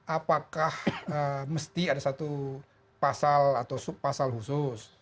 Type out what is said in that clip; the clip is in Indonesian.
apakah mesti ada satu pasal atau sub pasal khusus